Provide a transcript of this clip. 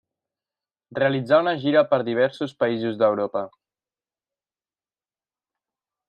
Realitzà una gira per diversos països d'Europa.